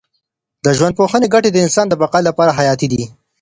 د ژوندپوهنې ګټې د انسان د بقا لپاره حیاتي دي.